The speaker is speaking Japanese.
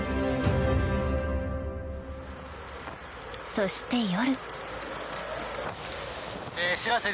そして、夜。